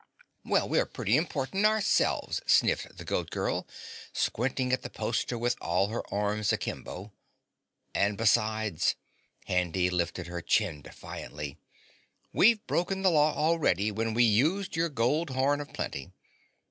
"Well, we're pretty important ourselves," sniffed the Goat Girl, squinting at the poster with all her arms akimbo. "And besides," Handy lifted her chin defiantly, "we've broken the law already when we used your gold horn of plenty.